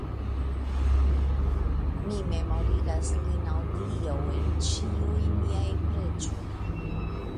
Mi memorigas lin al Dio en ĉiuj miaj preĝoj.